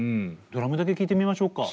ドラムだけ聴いてみましょうか。